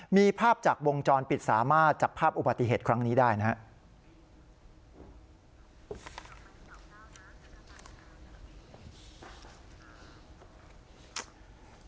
มีภาพจากวงจรปิดสามารถจับภาพอุบัติเหตุครั้งนี้ได้นะครับ